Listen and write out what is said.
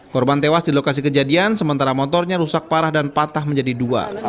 korban tewas di lokasi kejadian sementara motornya rusak parah dan patah menjadi dua